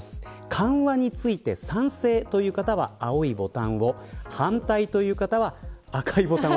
緩和について賛成という方は青いボタンを反対という方は赤いボタンを。